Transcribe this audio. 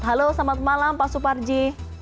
halo selamat malam pak suparji